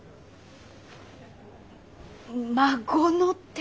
孫の手？